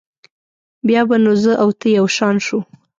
بیا به نو زه او ته یو شان شو.